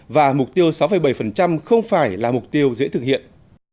và mục tiêu sáu bảy của tăng trưởng kinh tế